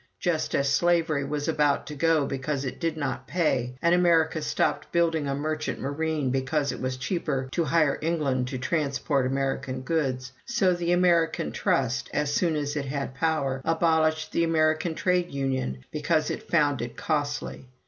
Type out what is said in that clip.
Just as slavery was about to go because it did not pay, and America stopped building a merchant marine because it was cheaper to hire England to transport American goods, so the American Trust, as soon as it had power, abolished the American trade union because it found it costly.